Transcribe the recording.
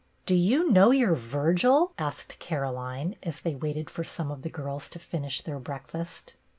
" Do you know your Virgil ?" ask Caro line, as they waited for some of the girls to finish their breakfast.